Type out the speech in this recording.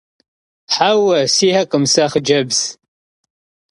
Heue, şı'ekhım, si xhıcebz.